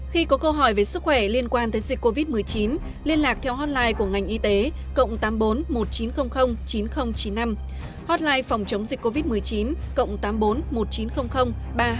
khi có câu hỏi về sức khỏe liên quan tới dịch covid một mươi chín liên lạc theo hotline của ngành y tế cộng tám mươi bốn một nghìn chín trăm linh chín nghìn chín mươi năm hotline phòng chống dịch covid một mươi chín cộng tám mươi bốn một nghìn chín trăm linh ba trăm hai mươi